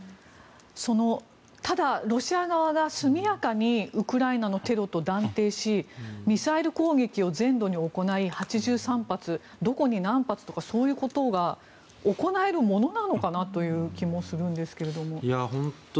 ただロシア側が速やかにウクライナのテロと断定しミサイル攻撃を全土に行い８３発、どこに何発とかそういうことが行えるものなのかという気もしますが。